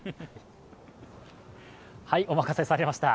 はい、お任せされました。